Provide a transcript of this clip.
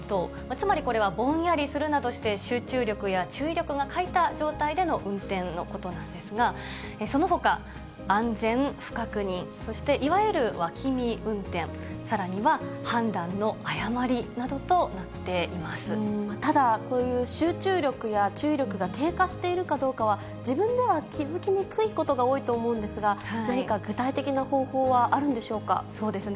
つまりこれはぼんやりするなどして、集中力や注意力が欠いた状態での運転のことなんですが、そのほか、安全不確認、そしていわゆる脇見運転、さらには、ただ、こういう集中力や注意力が低下しているかどうかは、自分では気付きにくいことが多いと思うんですが、何か具体的な方そうですね。